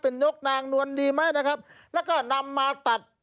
เป็นนกนางนวลดีไหมนะครับแล้วก็นำมาตัด